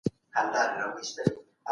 موږ به په دې سفر کي تل ملګري یو.